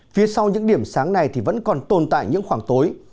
phía sau những điểm sáng này thì vẫn còn tồn tại những khoảng tối